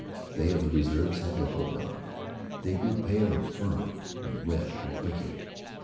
They of the reserves had to hold on. They grew pale and firm, and red and quaking.